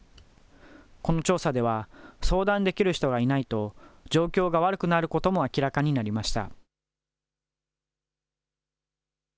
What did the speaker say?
この調査では、相談できる人がいないと、状況が悪くなることも明らかになりました。